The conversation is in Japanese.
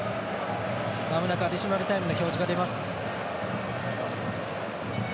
まもなくアディショナルタイムの表示が出ます。